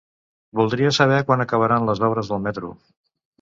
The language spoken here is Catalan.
Voldria saber quan acabaran les obres del metro.